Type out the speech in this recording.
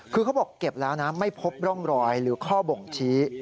คือเขาบอกเก็บแล้วนะไม่พบร่องรอยหรือข้อบ่งชี้